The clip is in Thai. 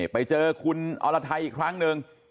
ไปเจอคุณอรไทยอีกครั้งหนึ่ง